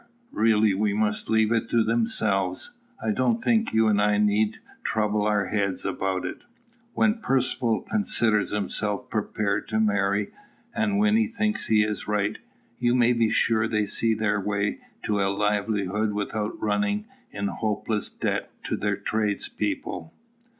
_ Really, we must leave it to themselves. I don't think you and I need trouble our heads about it. When Percivale considers himself prepared to marry, and Wynnie thinks he is right, you may be sure they see their way to a livelihood without running in hopeless debt to their tradespeople.